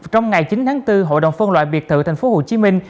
trong ngày chín tháng bốn hội đồng phân loại biệt thự thành phố hồ chí minh